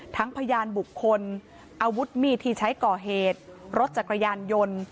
พยานบุคคลอาวุธมีดที่ใช้ก่อเหตุรถจักรยานยนต์